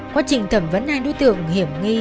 quá trình thẩm vấn hai đối tượng hiểm nghi